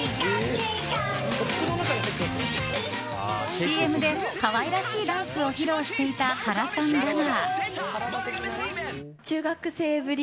ＣＭで可愛らしいダンスを披露していた、原さんだが。